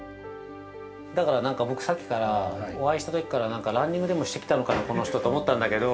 ◆だからなんか、僕さっきからお会いしたときからなんかランニングでもしてきたのかな、この人と思ったんだけど。